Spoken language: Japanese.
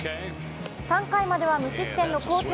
３回までは無失点の好投。